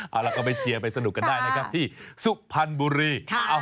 เอาล่ะก็ไปเชียร์ไปสนุกกันได้นะครับที่สุพรรณบุรี